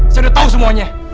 saya udah tau semuanya